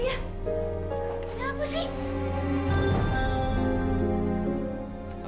ini rumah tetepan laila